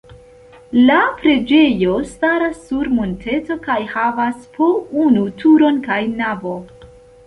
La preĝejo staras sur monteto kaj havas po unu turon kaj navo.